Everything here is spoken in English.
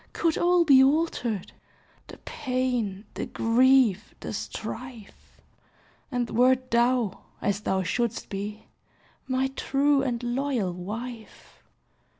could all be altered, The pain, the grief, the strife, And wert thou as thou shouldst be My true and loyal wife!